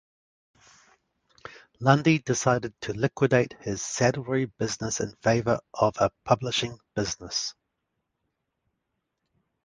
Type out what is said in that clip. Lundy decided to liquidate his saddlery business in favor of a publishing business.